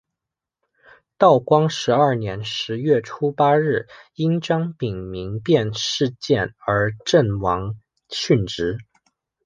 道光十二年十月初八日因张丙民变事件而阵亡殉职。